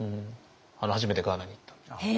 初めてガーナに行ったんです。